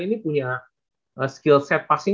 ini punya skill set passing